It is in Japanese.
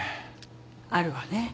あるわね。